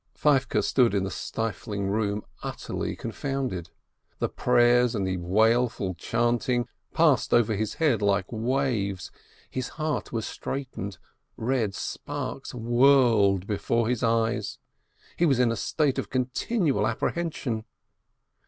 Feivke stood in the stifling room utterly confounded. The prayers and the wailful chanting passed over his head like waves, his heart was straitened, red sparks whirled before his eyes. He was in a state of continual apprehension.